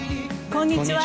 こんにちは。